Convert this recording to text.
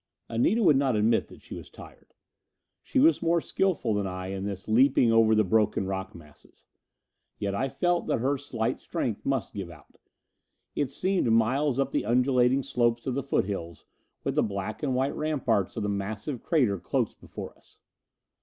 Anita would not admit that she was tired. She was more skilful than I in this leaping over the broken rock masses. Yet I felt that her slight strength must give out. It seemed miles up the undulating slopes of the foothills with the black and white ramparts of the massive crater close before us.